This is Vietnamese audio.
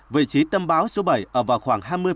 vị trí tâm báo số bảy ở vào khoảng